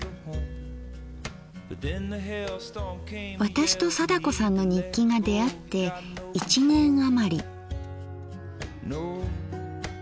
私と貞子さんの日記が出会って１年余り。